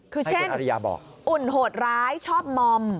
คือเช่นอุ่นโหดร้ายชอบมอม